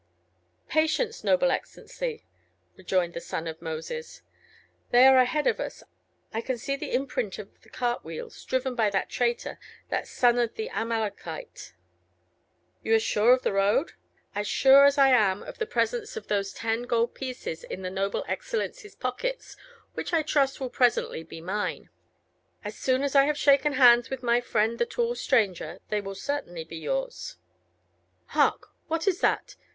"Patience, noble Excellency," rejoined the son of Moses, "they are ahead of us. I can see the imprint of the cart wheels, driven by that traitor, that son of the Amalekite." "You are sure of the road?" "As sure as I am of the presence of those ten gold pieces in the noble Excellency's pockets, which I trust will presently be mine." "As soon as I have shaken hands with my friend the tall stranger, they will certainly be yours." "Hark, what was that?"